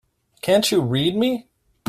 Can't you read me?